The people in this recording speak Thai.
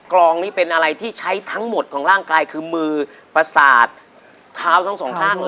ลองนี่เป็นอะไรที่ใช้ทั้งหมดของร่างกายคือมือประสาทเท้าทั้งสองข้างเลย